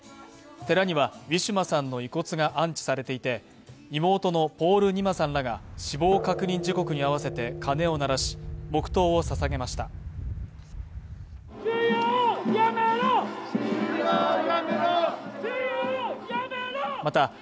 寺にはウィシュマさんの遺骨が安置されていて、妹のポールニマさんらが死亡確認時刻に合わせて鐘を鳴らし、黙とうを捧げました。